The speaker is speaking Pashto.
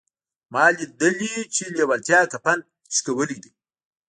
ما ليدلي چې لېوالتیا کفن شلولی دی.